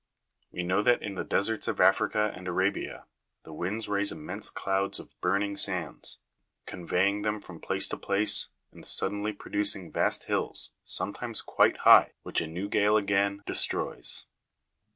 We know that in the deserts of Africa and Arabia, the winds raise immense clouds of burning sands, conveying them from place to place, and suddenly produc ing vast hills, sometimes quite high, which a new gale again de stroys.